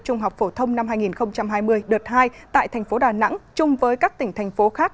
trung học phổ thông năm hai nghìn hai mươi đợt hai tại thành phố đà nẵng chung với các tỉnh thành phố khác